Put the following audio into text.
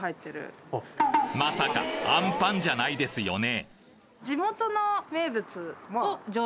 まさかあんぱんじゃないですよね？